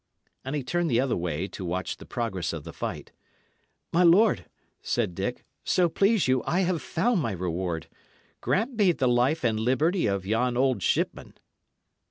And he turned the other way to watch the progress of the fight. "My lord," said Dick, "so please you, I have found my reward. Grant me the life and liberty of yon old shipman."